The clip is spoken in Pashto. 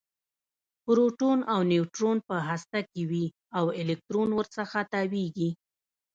پروټون او نیوټرون په هسته کې وي او الکترون ورڅخه تاویږي